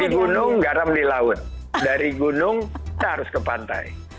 di gunung garam di laut dari gunung kita harus ke pantai